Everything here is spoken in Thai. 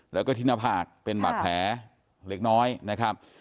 แล้วก็ที่หน้าผากเป็นบาดแผลเล็กน้อยนะครับ